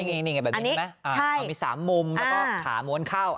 นี่ไงแบบนี้ไหมมี๓มุมแล้วก็ขาม้วนเข้า